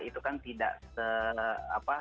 itu kan tidak se apa